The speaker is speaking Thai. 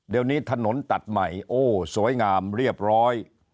เดี๋ยวนี้ถนนตัดใหม่โอ้สวยงามเรียบร้อย